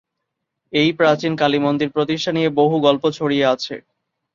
এই প্রাচীন কালীমন্দির প্রতিষ্ঠা নিয়ে বহু গল্প ছড়িয়ে আছে।